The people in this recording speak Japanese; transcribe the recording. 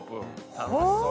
楽しそう。